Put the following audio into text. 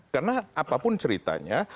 karena apapun ceritanya